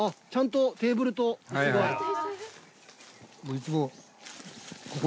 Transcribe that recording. ちゃんとテーブルと椅子が。